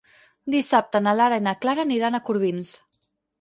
Dissabte na Lara i na Clara aniran a Corbins.